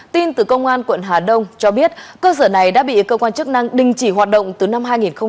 tin từ công an quận hà đông cho biết cơ sở này đã bị cơ quan chức năng đình chỉ hoạt động từ năm hai nghìn một mươi ba